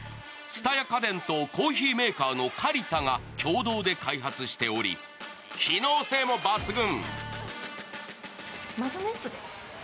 蔦屋家電とコーヒーメーカーのカリタが共同で開発しており、機能性も抜群。